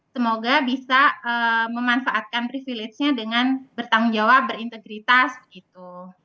semoga bisa memanfaatkan privilege nya dengan bertanggung jawab berintegritas begitu